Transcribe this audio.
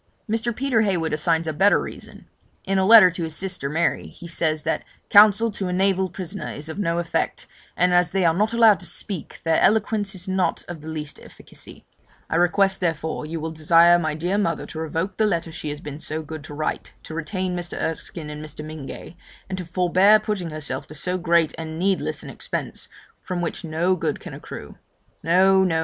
Mr. Peter Heywood assigns a better reason; in a letter to his sister Mary he says, that 'Counsel to a naval prisoner is of no effect, and as they are not allowed to speak, their eloquence is not of the least efficacy; I request, therefore, you will desire my dear mother to revoke the letter she has been so good to write to retain Mr. Erskine and Mr. Mingay, and to forbear putting herself to so great and needless an expense, from which no good can accrue. No, no!